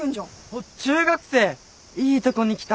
おぉ中学生いいとこに来た。